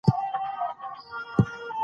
دا د ټولو غوښتنه ده.